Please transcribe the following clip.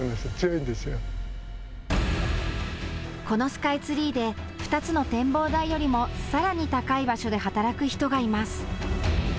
このスカイツリーで２つの展望台よりもさらに高い場所で働く人がいます。